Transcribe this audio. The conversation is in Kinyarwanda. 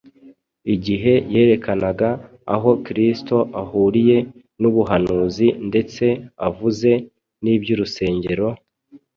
Igihe yerekanaga aho Kristo ahuriye n’ubuhanuzi ndetse avuze n’iby’urusengero,